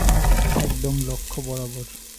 একদম লক্ষ্য বরাবর।